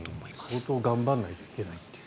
相当頑張らないといけないという。